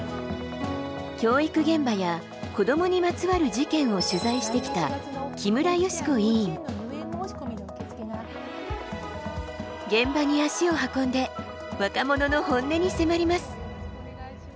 教育現場や子どもにまつわる事件を取材してきた現場に足を運んで若者の本音に迫ります。